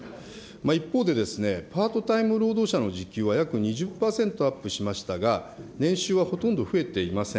一方で、パートタイム労働者の時給は約２０％アップしましたが、年収はほとんど増えていません。